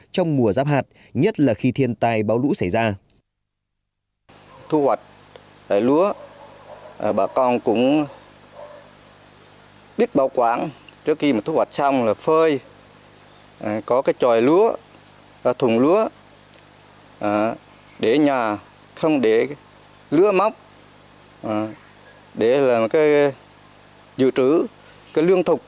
trong mùa giáp hạt nhất là khi thiên tài bão lũ xảy ra